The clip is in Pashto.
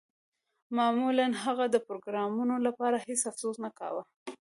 معمولاً هغه د پروګرامرانو لپاره هیڅ افسوس نه کاوه